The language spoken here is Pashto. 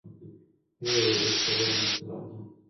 ويې ويل هېڅ خبره نشته بابا.